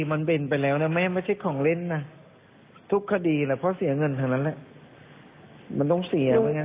คือเรื่องไม่น่าเป็นคดีได้ยังไง